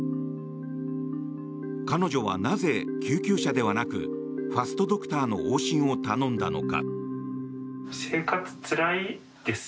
彼女はなぜ救急車ではなくファストドクターの往診を頼んだのか。